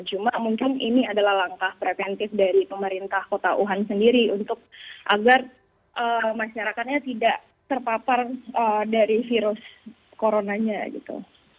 cuma mungkin ini adalah langkah preventif dari pemerintah kota wuhan sendiri untuk agar masyarakatnya tidak terpapar dari virus coronanya gitu